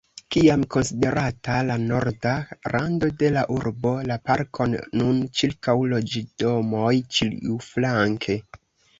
Kiam konsiderata la norda rando de la urbo, la parkon nun ĉirkaŭ loĝdomoj ĉiuflanke.